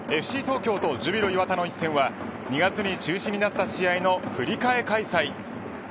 ＦＣ東京とジュビロ磐田の一戦は２月に中止になった試合の振り替え開催。